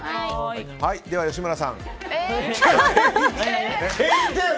では吉村さん。